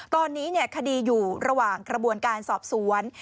ตอนนี้คดีอยู่ระหว่างกระบวนการสอบสวน